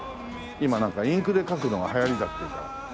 今なんかインクで書くのが流行りだっていうから。